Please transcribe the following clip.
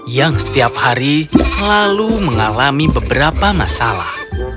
yang setiap hari selalu mengalami beberapa masalah